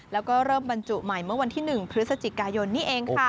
แล้วก็เริ่มบรรจุใหม่เมื่อวันที่๑พฤศจิกายนนี่เองค่ะ